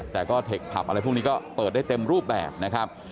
แต่ก็เทคผับอะไรพวกนี้ก็เปิดได้เต็มรูปแบบนะครับ